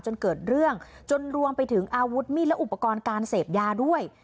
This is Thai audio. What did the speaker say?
จนเกิดเรื่องจนรวมไปถึงอาวุธมีดและอุปกรณ์การเสพยาด้วย